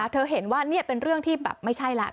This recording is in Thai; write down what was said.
เห็นว่านี่เป็นเรื่องที่แบบไม่ใช่แล้ว